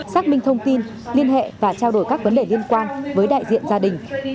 xác minh thông tin liên hệ và trao đổi các vấn đề liên quan với đại diện gia đình